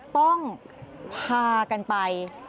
ต้องพากันไป